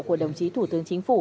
của đồng chí thủ tướng chính phủ